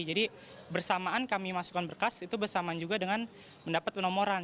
jadi bersamaan kami masukkan berkas itu bersamaan juga dengan mendapat penomoran